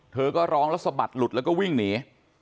เธอก็ร้องแล้วสะบัดหลุดแล้วก็วิ่งหนี